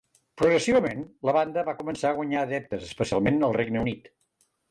Progressivament, la banda va començar a guanyar adeptes, especialment en el Regne Unit.